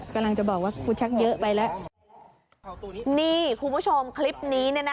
คุณผู้ชมคลิปนี้